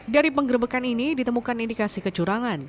dari penggerbekan ini ditemukan indikasi kecurangan